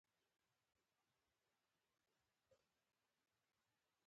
د کندهار په معروف کې د ګچ نښې شته.